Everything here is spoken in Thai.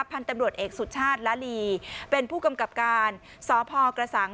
พันธุ์ตำรวจเอกสุชาติละลีเป็นผู้กำกับการสพกระสัง